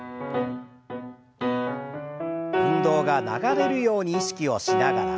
運動が流れるように意識をしながら。